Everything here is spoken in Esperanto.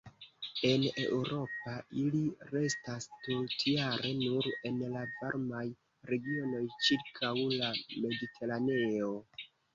En Eŭropa ili restas tutjare nur en la varmaj regionoj ĉirkaŭ la Mediteraneo.